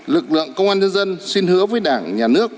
lực lượng công an nhân dân xin hứa với đảng nhà nước